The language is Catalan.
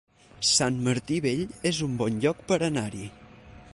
Sant Martí Vell es un bon lloc per anar-hi